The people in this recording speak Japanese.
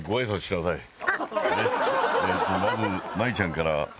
まず舞衣ちゃんから。